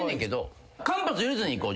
間髪入れずにいこう。